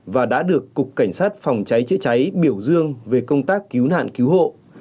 và đã được cục cảnh sát phòng cháy chữa cháy biểu dương về công tác cứu nạn cứu hộ